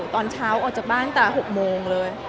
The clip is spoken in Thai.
ตอนเช้าออกจากบ้านแต่๖โมงเลย